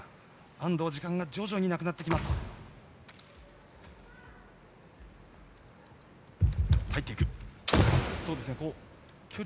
安藤、時間が徐々になくなってくる。